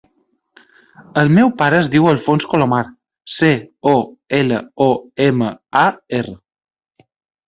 El meu pare es diu Alfonso Colomar: ce, o, ela, o, ema, a, erra.